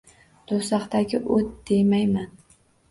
Do’zaxdagi o’t demayman